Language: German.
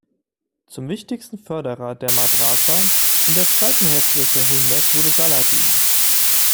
Zum wichtigsten Förderer der Madrasa in der zweiten Hälfte des Jahrhunderts wurde Saladin.